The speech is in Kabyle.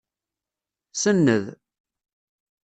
Senned.